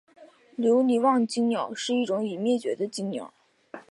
留尼旺椋鸟是一种已灭绝的椋鸟。